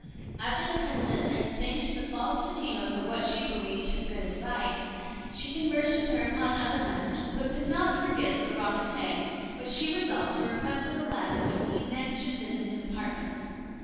After the princess had thanked the false Fatima for what she believed her good advice, she conversed with her upon other matters; but could not forget the roc's egg, which she resolved to request of Aladdin when next he should visit his apartments.